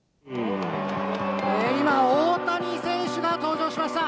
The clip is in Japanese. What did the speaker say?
今、大谷選手が登場しました。